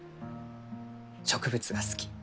植物が好き。